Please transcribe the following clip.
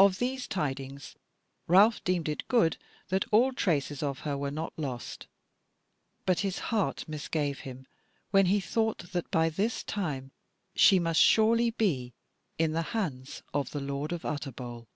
Of these tidings Ralph deemed it good that all traces of her were not lost; but his heart misgave him when he thought that by this time she must surely be in the hands of the lord of Utterbol.